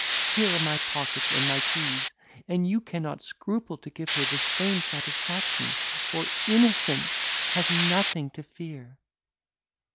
Here are my pockets and my keys, and you cannot scruple to give her the same satisfaction; for innocence has nothing to fear."